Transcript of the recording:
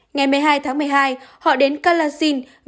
ngày một mươi hai tháng một mươi hai họ đến karacil